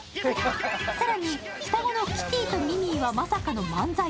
更に双子のキティとミミィはまさかの漫才。